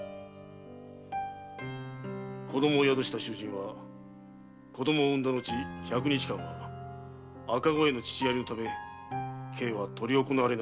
子供を宿した囚人は子供を産んだ後百日間は赤子への乳やりのため刑は執り行われないんだ。